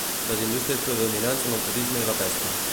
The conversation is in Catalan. Les indústries predominants són el turisme i la pesca.